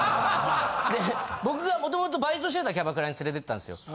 僕が元々バイトしてたキャバクラに連れてったんですよ。